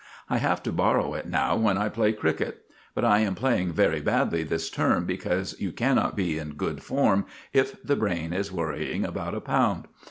I have to borrow it now when I play cricket. But I am playing very badly this term, because you cannot be in good form if the brain is worrying about a pound.